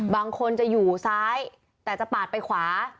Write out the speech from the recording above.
บางคนจะอยู่ซ้ายแต่จะปาดไปขวา